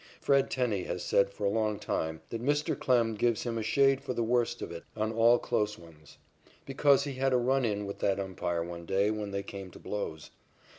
Fred Tenney has said for a long time that Mr. Klem gives him a shade the worst of it on all close ones because he had a run in with that umpire one day when they came to blows.